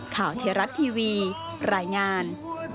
ข่าวเทียรัตน์ทีวีรายงาน